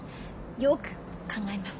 よく考えます。